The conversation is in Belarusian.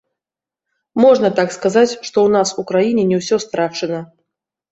Можна так сказаць, што ў нас у краіне не ўсё страчана.